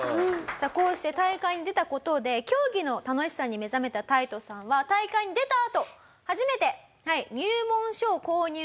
さあこうして大会に出た事で競技の楽しさに目覚めたタイトさんは大会に出たあと。